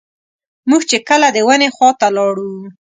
موږ چې کله د ونې خواته لاړو.